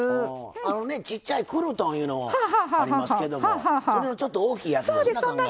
あのねちっちゃいクルトンいうのありますけどもそれのちょっと大きいやつですな。